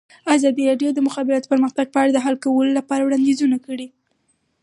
ازادي راډیو د د مخابراتو پرمختګ په اړه د حل کولو لپاره وړاندیزونه کړي.